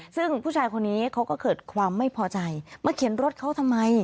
ซึ่งผู้ชายคนนี้เขาก็เกิดความไม่พอใจมาเขียนรถเขาทำไม